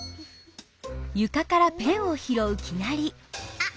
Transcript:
あっ！